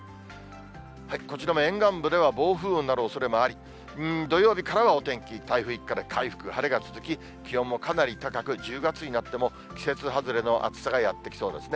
こちらも沿岸部では暴風雨になるおそれもあり、土曜日からはお天気、台風一過で回復、晴れが続き、気温もかなり高く、１０月になっても季節外れの暑さがやって来そうですね。